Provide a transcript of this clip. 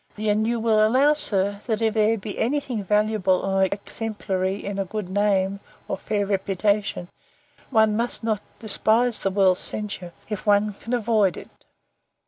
And you will allow, sir, that, if there be any thing valuable or exemplary in a good name, or fair reputation, one must not despise the world's censure, if one can avoid it.